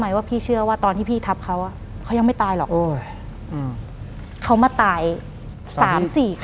หลังจากนั้นเราไม่ได้คุยกันนะคะเดินเข้าบ้านอืม